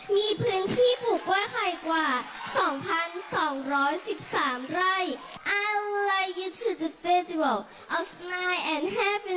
มีพื้นที่ปลูกกล้วยไข่กว่าสองพันสองร้อยสิบสามไรอัลไลท์ยูทูดิฟิติวอลอัลสไนท์แอนด์แฮปปินิส